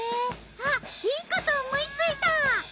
あっいいこと思いついた！